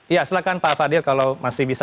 ya silahkan pak fadil kalau masih bisa